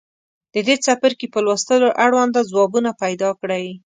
د دې څپرکي په لوستلو اړونده ځوابونه پیداکړئ.